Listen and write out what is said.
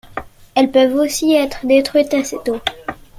Elles peuvent aussi être détruites assez tôt.